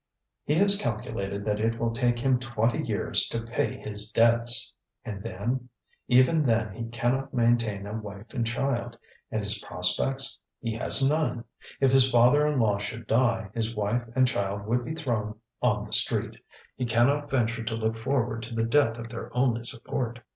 He has calculated that it will take him twenty years to pay his debts. And then? Even then he cannot maintain a wife and child. And his prospects? He has none! If his father in law should die, his wife and child would be thrown on the street; he cannot venture to look forward to the death of their only support.